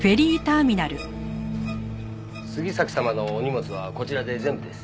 杉崎様のお荷物はこちらで全部です。